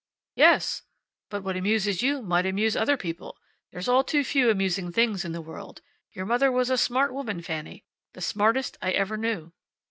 "Yes. But what amuses you might amuse other people. There's all too few amusing things in the world. Your mother was a smart woman, Fanny. The smartest I ever knew."